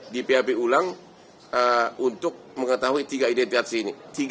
di pab ulang untuk mengetahui tiga identitas ini